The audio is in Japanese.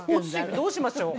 どうしましょう。